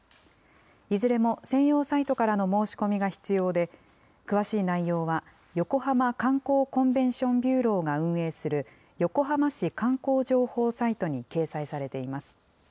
いずれも専用サイトからの申し込みが必要で、詳しい内容は、横浜観光コンベンション・ビューローが運営する、横浜市観光情報サイトに掲載されています。